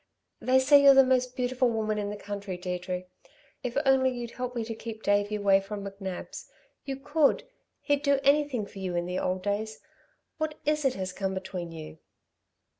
They say you're the most beautiful woman in the country, Deirdre. If only you'd help me to keep Davey away from McNab's! You could! He'd do anything for you in the old days. What is it has come between you?"